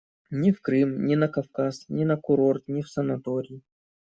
Ни в Крым, ни на Кавказ, ни на курорт, ни в санаторий.